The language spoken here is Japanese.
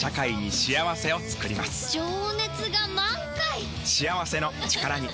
情熱が満開！